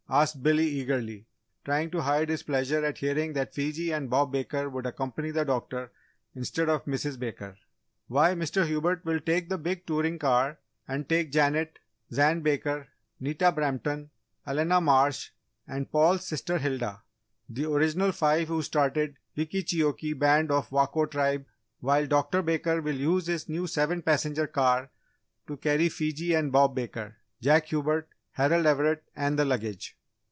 asked Billy eagerly, trying to hide his pleasure at hearing that Fiji and Bob Baker would accompany the doctor instead of Mrs. Baker. "Why, Mr. Hubert will take the big touring car and take Janet, Zan Baker, Nita Brampton, Elena Marsh and Paul's sister Hilda the original five who started Wickeecheokee Band of Wako Tribe, while Dr. Baker will use his new seven passenger car to carry Fiji and Bob Baker, Jack Hubert, Harold Everett and the luggage."